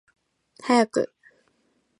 早く